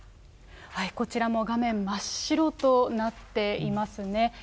こちらも画面、真っ白となっていますね。